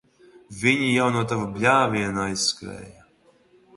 Viņi jau no tava bļāviena aizskrēja.